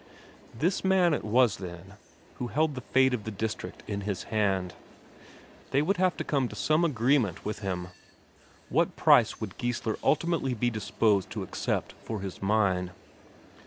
This man it was then, who held the fate of the district in his hand; they would have to come to some agreement with him. What price would Geissler ultimately be disposed to accept for his mine?